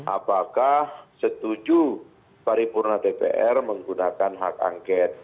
apakah setuju paripurna dpr menggunakan hak angket